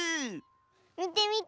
みてみて。